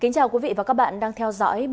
cảm ơn các bạn đã theo dõi